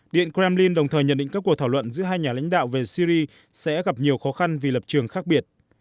điện kremlin đồng thời nhận định các cuộc thảo luận giữa hai nhà lãnh đạo về syri sẽ gặp nhiều khó khăn vì lập trường khác biệt